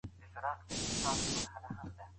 تاسو ولي په دغه غونډې کي خپله خبره نه کوله؟